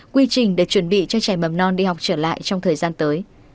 quy trình để chuẩn bị cho trẻ mầm non đi học trở lại trong thời gian tới